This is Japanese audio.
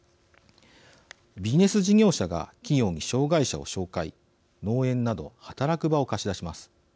ビジネス事業者が企業に障害者を紹介農園など働く場を貸し出します。